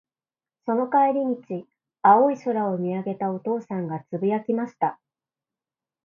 その帰り道、青い空を見上げたお父さんが、つぶやきました。